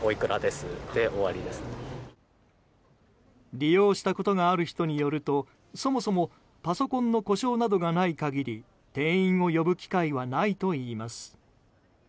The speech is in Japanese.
利用したことがある人によるとそもそもパソコンの故障などがない限り店員を呼ぶ機会はないといいます。